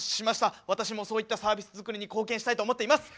私もそういったサービスづくりに貢献したいと思っています！